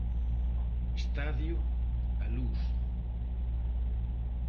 Estadio A Luz.